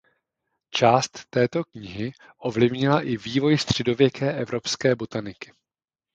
Část této knihy ovlivnila i vývoj středověké evropské botaniky.